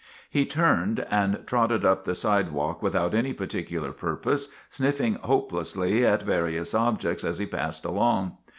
He turned and trotted up the sidewalk without any particular purpose, sniffing hopelessly at various objects as he passed along.